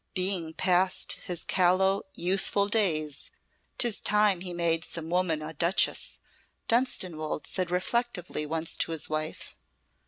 "Being past his callow, youthful days, 'tis time he made some woman a duchess," Dunstanwolde said reflectively once to his wife.